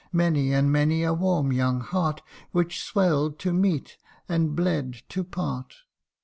31 Many and many a warm young heart Which swell'd to meet, and bled to part.